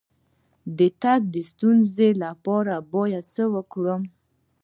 د تګ د ستونزې لپاره باید څه وکړم؟